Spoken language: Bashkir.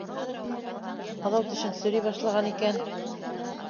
Аҙау тешең серей башлаған икән.